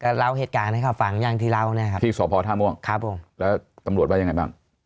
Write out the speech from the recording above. ก็เล่าเหตุการณ์ให้เขาฟังอย่างที่เล่าที่สวพท่าม่วงแล้วตำรวจว่ายังไงบ้าง